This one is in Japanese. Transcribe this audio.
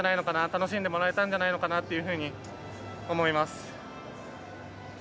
楽しんでもらえたんじゃないのかなというふうに思います。